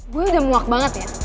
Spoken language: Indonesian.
gue udah muak banget ya